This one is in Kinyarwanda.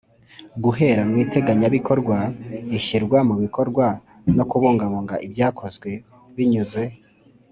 guhera mu iteganyabikorwa ishyirwa mu bikorwa no kubungabunga ibyakozwe binyuze